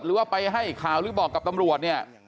หรือว่าไปให้ข่าวหรือบอกกับตำรวจเนี่ย